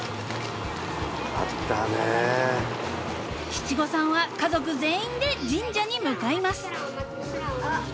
［七五三は家族全員で神社に向かいます］